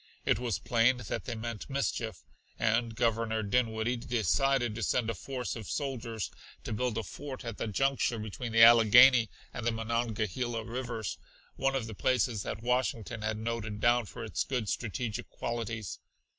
It was plain that they meant mischief, and Governor Dinwiddie decided to send a force of soldiers to build a fort at the juncture between the Allegheny and the Monongahela rivers, one of the places that Washington had noted down for its good strategic qualities.